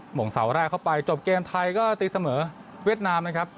หงเสาแรกเข้าไปจบเกมไทยก็ตีเสมอเวียดนามนะครับ